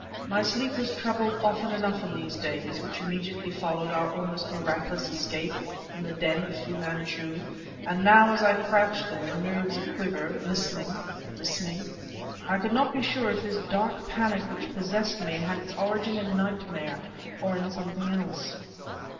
My sleep was troubled often enough in these days, which immediately followed our almost miraculous escape, from the den of Fu Manchu; and now as I crouched there, nerves aquiver listening listening I could not be sure if this dank panic which possessed me had its origin in nightmare or in something else.